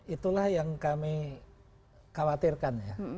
itulah yang kami khawatirkan ya